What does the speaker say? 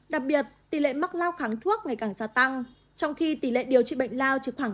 đặc biệt tỷ lệ mắc lao kháng thuốc ngày càng gia tăng trong khi tỷ lệ điều trị bệnh lao chỉ khoảng năm mươi hai